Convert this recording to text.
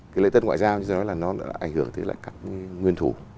cái lễ dân ngoại giao như tôi nói là nó đã ảnh hưởng tới các nguyên thủ